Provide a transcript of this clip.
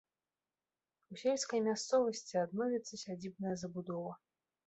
У сельскай мясцовасці адновіцца сядзібная забудова.